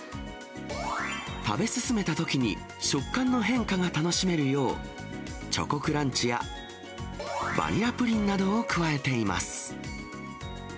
食べ進めたときに、食感の変化が楽しめるよう、チョコクランチやバニラプリンなどを加えています。